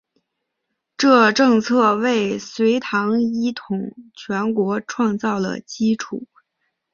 这政策为隋唐一统全国创造了基础。